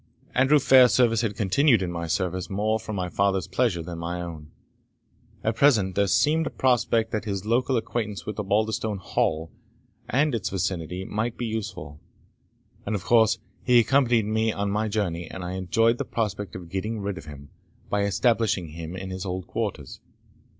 Andrew Fairservice had continued in my service more from my father's pleasure than my own. At present there seemed a prospect that his local acquaintance with Osbaldistone Hall and its vicinity might be useful; and, of course, he accompanied me on my journey, and I enjoyed the prospect of getting rid of him, by establishing him in his old quarters.